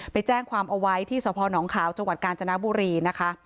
ไปแจ้งความเอาไว้ที่สพนขาวจังหวัดกาญจนบุรีนะคะ